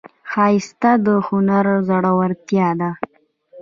ښایست د هنر زړورتیا ده